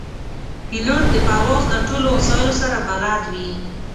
پیلوټ د پرواز له ټولو وسایلو سره بلد وي.